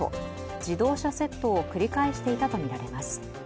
自動車窃盗を繰り返していたとみられます。